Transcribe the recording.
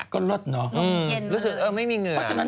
ก็เลิศเนอะรู้สึกไม่มีเหงื่ออะลงเย็นเลย